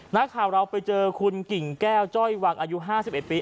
นักข่าวเราไปเจอคุณกิ่งแก้วจ้อยวังอายุ๕๑ปี